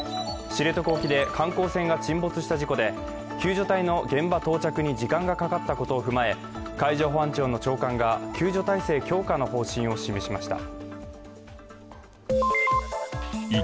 知床沖で観光船が沈没した事故で救助隊の現場到着に時間がかかったことを踏まえ、海上保安庁の長官が救助体制強化の方針を示しました。